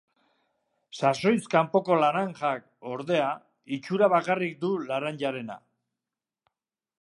Sasoiz kanpoko laranjak, ordea, itxura bakarrik du laranjarena.